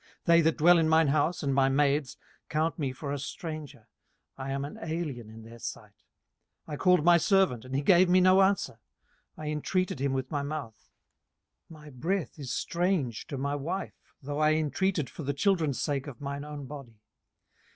18:019:015 They that dwell in mine house, and my maids, count me for a stranger: I am an alien in their sight. 18:019:016 I called my servant, and he gave me no answer; I intreated him with my mouth. 18:019:017 My breath is strange to my wife, though I intreated for the children's sake of mine own body.